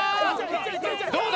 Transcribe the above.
どうだ？